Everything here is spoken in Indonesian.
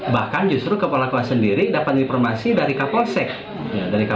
bahkan justru kepala kelas sendiri dapat informasi dari kapolsek